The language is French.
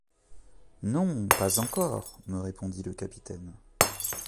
Non, pas encore, me répondit le capitaine.